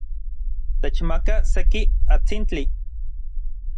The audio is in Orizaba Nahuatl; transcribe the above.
Techmaka seki atsintli.